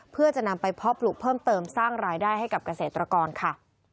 เพื่อจะนำไปเพาะปลูกเพิ่มเติมสร้างรายได้ให้กับเกษตรกรค่ะ